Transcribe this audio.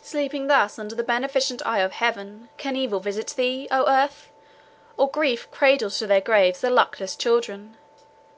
Sleeping thus under the beneficent eye of heaven, can evil visit thee, O Earth, or grief cradle to their graves thy luckless children?